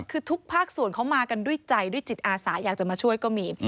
คือทุกภาคส่วนเขามากันด้วยใจด้วยจิตอาสาอยากจะมาช่วยก็มี